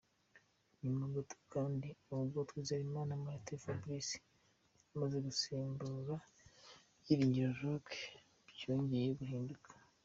Nyuma gato kandi ubwo Twizerimana Martin Fabrice yari amaze gusimbura Byiringiro Lague byongeye guhinduka.